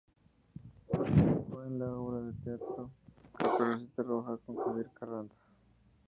Participó en la obra de teatro "Caperucita Roja" con Javier Carranza.